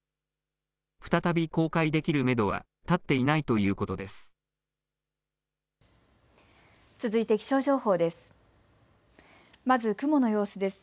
再び公開できるめどは立っていないということです。